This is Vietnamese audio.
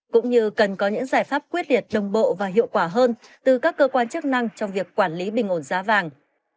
cũng như cần có những giải pháp quyết liệt đồng bộ và hiệu quả hơn từ các cơ quan chức năng trong việc quản lý bình ổn giá vàng